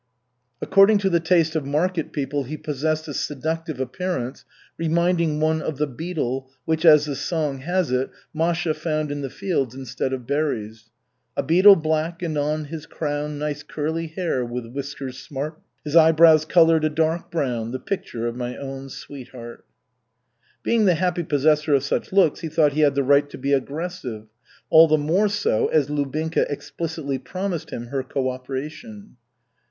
According to the taste of market people he possessed a seductive appearance, reminding one of the beetle, which, as the song has it, Masha found in the fields instead of berries: /$ "A beetle black, and on his crown Nice curly hair, with whiskers smart, His eyebrows colored a dark brown, The picture of my own sweetheart." $/ Being the happy possessor of such looks he thought he had the right to be aggressive, all the more so as Lubinka explicitly promised him her cooperation.